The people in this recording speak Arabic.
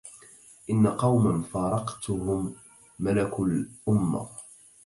إن قوما فارقتهم ملكوا الأم